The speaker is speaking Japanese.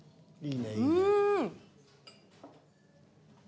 うん。